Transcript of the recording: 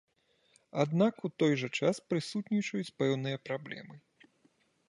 Аднак у той жа час прысутнічаюць пэўныя праблемы.